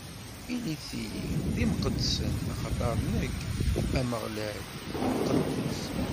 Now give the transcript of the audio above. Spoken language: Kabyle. Ilit-iyi d imqeddsen, axaṭer nekk, Ameɣlal, d Imqeddes.